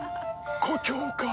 故郷か。